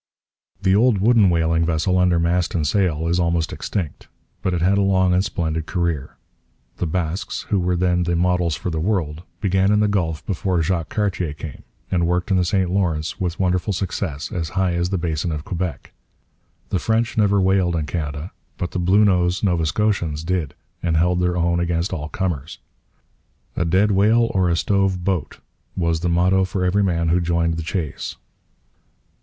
The old wooden whaling vessel under mast and sail is almost extinct. But it had a long and splendid career. The Basques, who were then the models for the world, began in the Gulf before Jacques Cartier came; and worked the St Lawrence with wonderful success as high as the basin of Quebec. The French never whaled in Canada; but the 'Bluenose' Nova Scotians did, and held their own against all comers. 'A dead whale or a stove boat' was the motto for every man who joined the chase.